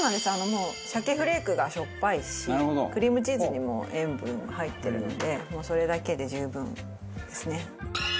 もう鮭フレークがしょっぱいしクリームチーズにも塩分入ってるのでもうそれだけで十分ですね。